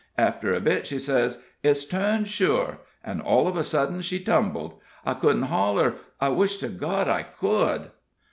After a bit she sez: 'It's turned sure,' an' all of a sudden she tumbled. I couldn't holler I wish to God I could."